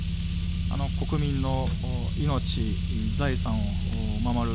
国民の命、財産を守る。